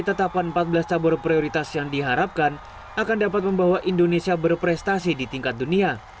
tetapan empat belas cabur prioritas yang diharapkan akan dapat membawa indonesia berprestasi di tingkat dunia